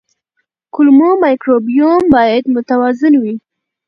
کولمو مایکروبیوم باید متوازن وي.